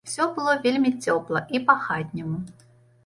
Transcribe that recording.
Усё было вельмі цёпла і па-хатняму.